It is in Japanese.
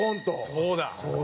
そうだ！